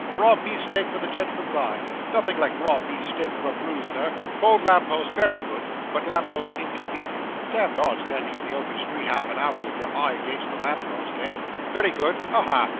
raw beef steak for the gentleman's eye nothing like raw beef steak for a bruise, sir; cold lamp post very good, but lamp post inconvenient damned odd standing in the open street half an hour, with your eye against a lamp post eh, very good ha! ha!